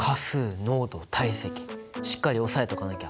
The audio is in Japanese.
しっかり押さえとかなきゃ。